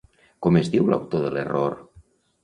Com es diu l'autor de l'error?